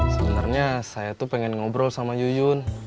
sebenarnya saya tuh pengen ngobrol sama yuyun